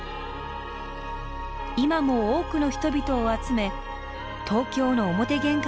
今も多くの人々を集め東京の表玄関となっています。